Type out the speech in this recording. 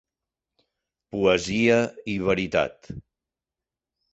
Poesia i veritat